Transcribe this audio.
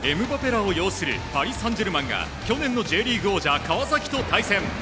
らを擁するパリ・サンジェルマンが去年のＪリーグ王者川崎と対戦。